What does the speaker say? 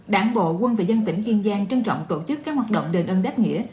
đảng bộ quân và dân tỉnh kiên giang trân trọng tổ chức các hoạt động đền ơn đáp nghĩa